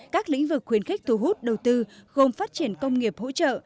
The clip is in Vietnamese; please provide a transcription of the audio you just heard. các lĩnh vực khuyến khích thu hút đầu tư gồm phát triển công nghiệp hỗ trợ